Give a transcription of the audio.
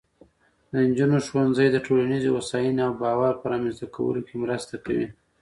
د نجونو ښوونځی د ټولنیزې هوساینې او باور په رامینځته کولو کې مرسته کوي.